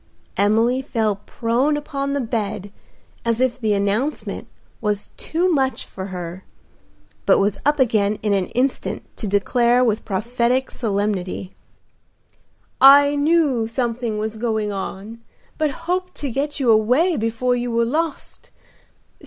Emily fell prone upon the bed as if the announcement was too much for her, but was up again in an instant to declare with prophetic solemnity, "I knew something was going on, but hoped to get you away before you were lost.